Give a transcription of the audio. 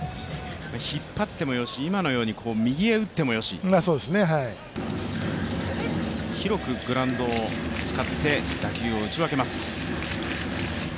引っ張ってもよし、今のように右へ打ってもよし、広くグラウンドを使って打球を打ち分けます。